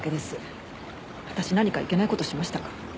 私何かいけない事しましたか？